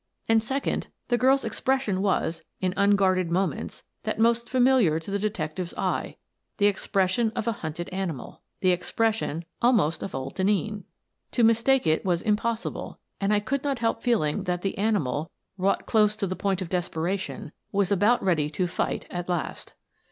And, second, the girl's expression was, in un guarded moments, that most familiar to the de tective's eye — the expression of a hunted animal; the expression, almost, of old Denneen. To mis take it was impossible — and I could not help feel ing that the animal, wrought close to the point of desperation, was about ready to fight at last.